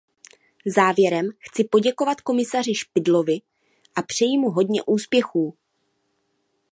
Závěrem chci poděkovat komisaři Špidlovi a přeji mu hodně úspěchů.